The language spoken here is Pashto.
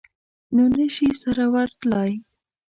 نو نه شي سره ورتلای.